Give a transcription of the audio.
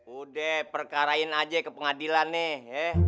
udah perkarain aja ke pengadilan nih